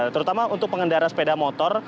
terutama untuk pengendara sepeda motor